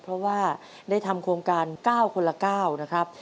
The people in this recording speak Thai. เพราะว่าได้ทำโครงการ๙คนละ๙นะครับ